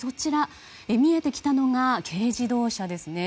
見えてきたのが軽自動車ですね。